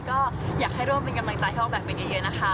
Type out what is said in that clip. ก็อยากให้ร่วมเป็นกำลังใจให้เขาแบ่งเป็นเยอะนะคะ